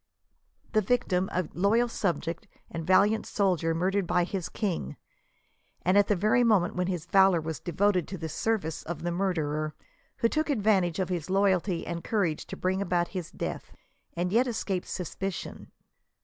The victim ;^a loyal subject and valiant soldier murdered by 15 his king, and at the very moment when his valor was devoted to the service of the murderer, who took advantage of his loy alty and courage to bring about his death, and yet escape sus picion.